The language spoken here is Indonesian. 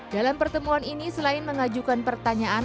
dalam pertemuan ini selain mengajukan pertanyaan